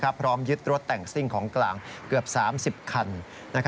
พร้อมยึดรถแต่งซิ่งของกลางเกือบ๓๐คัน